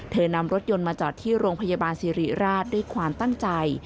นำรถยนต์มาจอดที่โรงพยาบาลสิริราชด้วยความตั้งใจ